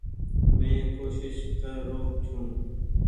مين ڪوشش ڪر رو ڇون ۔